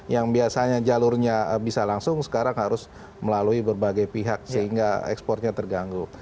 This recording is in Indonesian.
yang biasanya jalurnya bisa langsung sekarang harus melalui berbagai pihak sehingga ekspornya terganggu